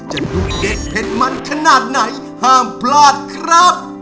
ดุเด็ดเผ็ดมันขนาดไหนห้ามพลาดครับ